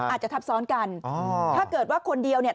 อาจจะทับซ้อนกันอ๋อถ้าเกิดว่าคนเดียวเนี่ย